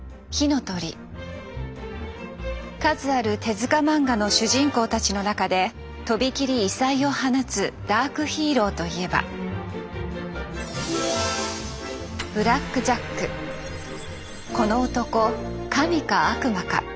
数ある手漫画の主人公たちの中でとびきり異彩を放つダークヒーローといえばこの男神か悪魔か。